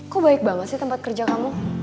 kok baik banget sih tempat kerja kamu